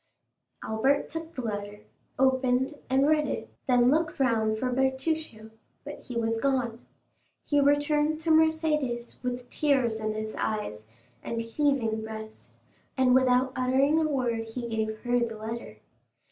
Albert took the letter, opened, and read it, then looked round for Bertuccio, but he was gone. He returned to Mercédès with tears in his eyes and heaving breast, and without uttering a word he gave her the letter.